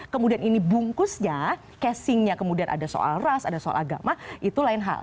kemudian ini bungkusnya casingnya kemudian ada soal ras ada soal agama itu lain hal